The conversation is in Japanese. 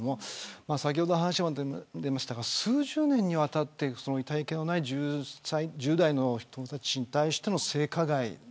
先ほど、話にもありましたが数十年にわたっていたいけのない１０代の人たちに対しての性加害。